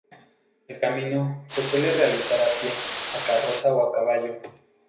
El camino, se suele realizar a pie, a carroza o a caballo.